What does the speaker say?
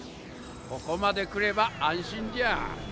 ここまで来れば安心じゃ。